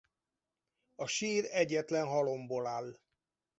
Az sír egyetlen halomból áll.